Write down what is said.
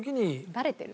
バレてる。